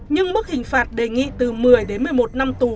nhưng mức hình phạt đề nghị từ một mươi đến một mươi một năm tù